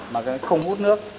mà nó không hút nước